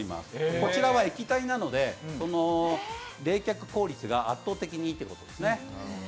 こちらは液体なので冷却効率が圧倒的にいいんですね。